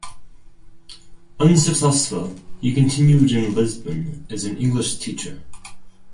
Unsuccessful, he continued in Lisbon as an English teacher.